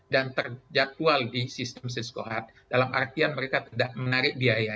dan terjadwal di sistem siskohat dalam artian mereka tidak menarik biaya